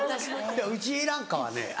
うちなんかはね